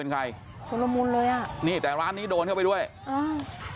เป็นใครชุดละมุนเลยอ่ะนี่แต่ร้านนี้โดนเข้าไปด้วยอ้าว